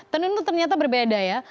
tenun itu ternyata berbeda ya